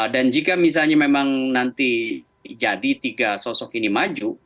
jika misalnya memang nanti jadi tiga sosok ini maju